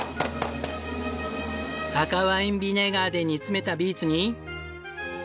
赤ワインビネガーで煮詰めたビーツに。